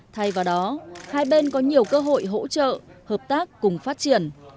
thay vào đó hai bên có nhiều cơ hội hỗ trợ hợp tác cùng phát triển